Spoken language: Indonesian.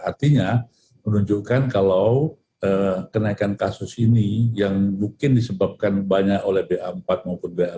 artinya menunjukkan kalau kenaikan kasus ini yang mungkin disebabkan banyak oleh ba empat maupun ba